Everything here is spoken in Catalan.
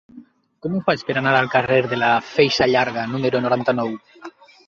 Com ho faig per anar al carrer de la Feixa Llarga número noranta-nou?